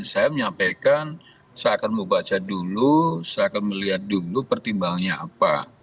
saya menyampaikan saya akan membaca dulu saya akan melihat dulu pertimbangannya apa